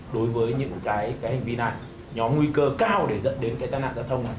đối với những hành vi này nó nguy cơ cao để dẫn đến tai nạn giao thông